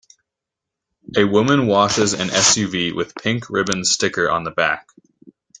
A woman washes an SUV with pink ribbon sticker on the back.